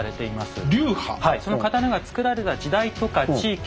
はいその刀が作られた時代とか地域